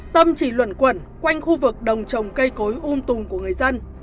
tâm chỉ luận quẩn quanh khu vực đồng trồng cây cối um tùng của người dân